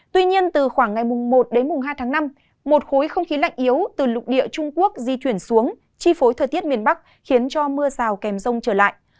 tuy nhiên từ khoảng ngày một đến hai tháng năm một khối không khí lạnh yếu từ lục địa trung quốc di chuyển xuống chi phối thời tiết miền bắc khiến cho mưa rào kèm rông trở lại